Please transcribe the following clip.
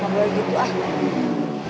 gak boleh gitu ah